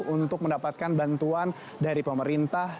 untuk mendapatkan bantuan dari pemerintah